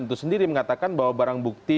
itu sendiri mengatakan bahwa barang bukti